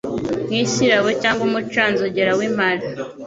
nk isirabo cyangwa umucanzogera w impara